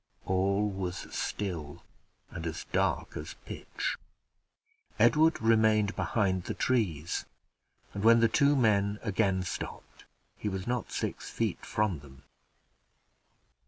All was still, and as dark as pitch; Edward remained behind the trees, and when the two men again stopped, he was not six feet from them.